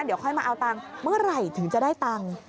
เดี๋ยวค่อยมาเอาตังค์เมื่อไหร่ถึงจะได้ตังค์